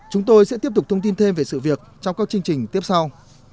chúng tôi sẽ tiếp tục thông tin thêm về sự việc trong các chương trình tiếp sau